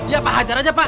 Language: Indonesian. ya pak hajar aja pak